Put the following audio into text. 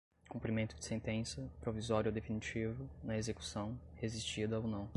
cumprimento de sentença, provisório ou definitivo, na execução, resistida ou não